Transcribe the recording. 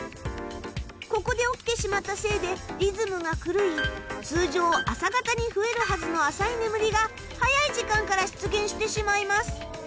ここで起きてしまったせいでリズムが狂い通常朝方に増えるはずの浅い眠りが早い時間から出現してしまいます。